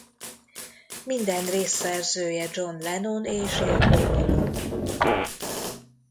Minden rész szerzője John Lennon és Yoko Ono.